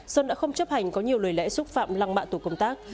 sơn đã không chấp hành có nhiều lời lẽ xúc phạm lăng mạ tổ công tác